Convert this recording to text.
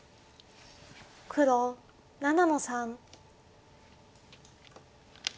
黒７の三。